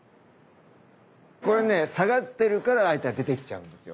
これね下がってるから相手が出てきちゃうんですよ。